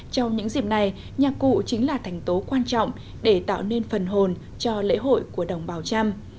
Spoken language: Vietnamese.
trong những dịp này nhạc cụ chính là thành tố quan trọng để tạo nên phần hồn cho lễ hội của đồng bào trăm